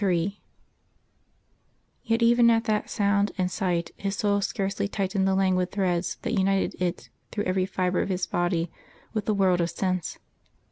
III Yet even at that sound and sight his soul scarcely tightened the languid threads that united it through every fibre of his body with the world of sense.